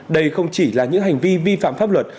đây không chỉ là những hành vi vi phạm pháp luật